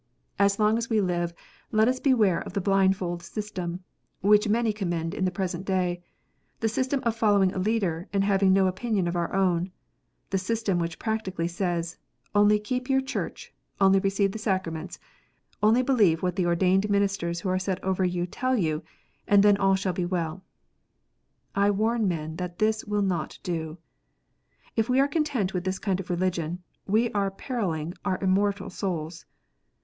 As long as we live, let us beware of the blindfold system, which many commend in the present day, the system of following a leader, and having no opinion of our own, the system which practically says, "Only keep your Church, only receive the Sacraments, only believe what the ordained ministers who are set over you tell you, and then all shall be well." I warn men that this will not do. If we are content with this kind of religion, we are perilling our immortal souls.